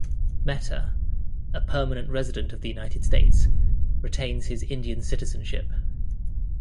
Mehta, a permanent resident of the United States, retains his Indian citizenship.